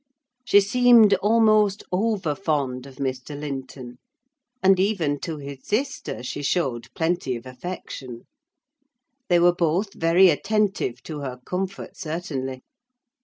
She seemed almost over fond of Mr. Linton; and even to his sister she showed plenty of affection. They were both very attentive to her comfort, certainly.